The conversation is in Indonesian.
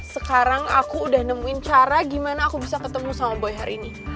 sekarang aku udah nemuin cara gimana aku bisa ketemu sama boy hari ini